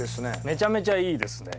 めちゃめちゃいいですね。